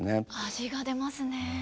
味が出ますね。